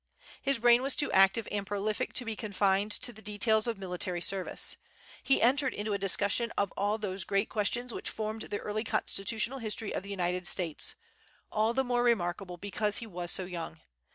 His brain was too active and prolific to be confined to the details of military service; he entered into a discussion of all those great questions which formed the early constitutional history of the United States, all the more remarkable because he was so young.